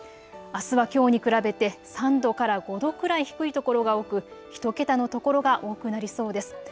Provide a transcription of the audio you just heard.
あすはきょうに比べて３度から５度くらい低いところが多く１桁の所が多くなりそうです。